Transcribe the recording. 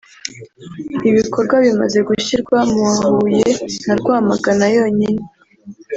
ibikorwa bimaze gushyirwa mu wa Huye na Rwamagana yonyine